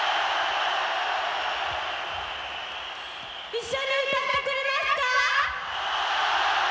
一緒に歌ってくれますか？